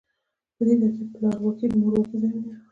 په دې ترتیب پلارواکۍ د مورواکۍ ځای ونیو.